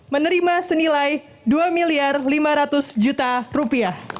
menerima senilai rp dua lima ratus